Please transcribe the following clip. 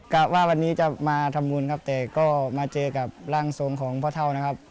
ะว่าวันนี้จะมาทำบุญครับแต่ก็มาเจอกับร่างทรงของพ่อเท่านะครับ